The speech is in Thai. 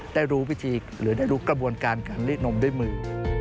ได้รู้วิธีหรือได้รู้กระบวนการการรีดนมด้วยมือ